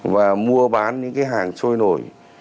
và mua bán những cái hàng trôi nổi